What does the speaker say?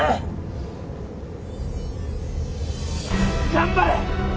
頑張れ！